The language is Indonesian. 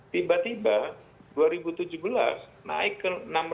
tiba tiba dua ribu tujuh belas naik ke enam ratus empat puluh